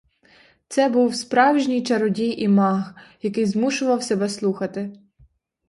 Це був справжній чародій і маг, який змушував себе слухати.